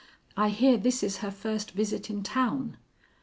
I hear this is her first visit in town."